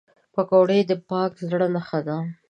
پکورې د پاک زړه نښه ده